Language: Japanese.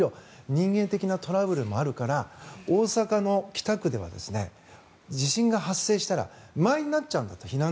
人間的なトラブルもあるから大阪の北区では地震が発生したら、避難所は満員になっちゃうんだと。